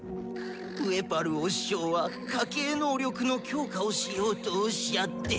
ウェパルお師匠は家系能力の強化をしようとおっしゃって。